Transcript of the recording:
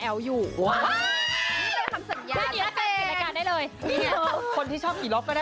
กับเพลงที่มีชื่อว่ากี่รอบก็ได้